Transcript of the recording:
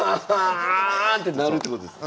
ってなるってことですね。